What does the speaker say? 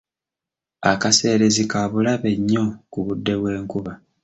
Akaseerezi ka bulabe nnyo ku budde bw'enkuba.